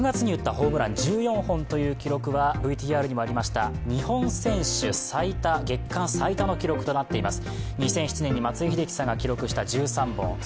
ホームラン１４本という記録はＶＴＲにもありました、日本選手月間最多の記録となっています。